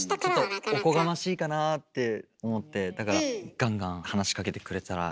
ちょっとおこがましいかなあって思ってだからガンガン話しかけてくれたらうれしいなって。